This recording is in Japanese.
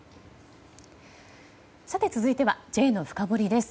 続いてはＪのフカボリです。